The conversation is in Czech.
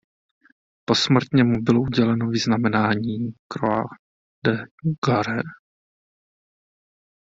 Posmrtně mu bylo uděleno vyznamenání Croix de guerre.